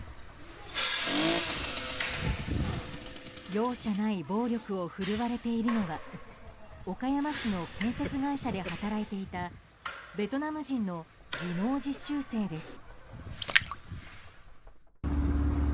容赦ない暴力を振るわれているのは岡山市の建設会社で働いていたベトナム人の技能実習生です。